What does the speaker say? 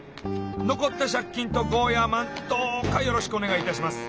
残った借金とゴーヤーマンどうかよろしくお願いいたします。